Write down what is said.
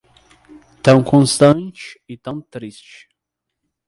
tão constante e tão triste